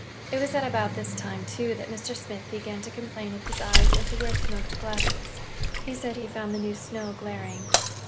It was at about this time, too, that Mr. Smith began to complain of his eyes and to wear smoked glasses. He said he found the new snow glaring.